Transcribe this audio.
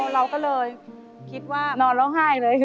เราก็เลยคิดว่านอนร้องไห้เลย